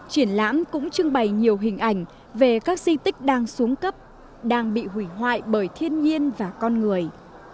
triển lãm cũng trưng bày nhiều hình ảnh về các di tích đang xuống cấp đang bị hủy hoại bởi thiên nhiên và con người